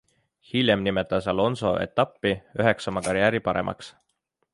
Hiljem nimetas Alonso etappi üheks oma karjääri paremaks.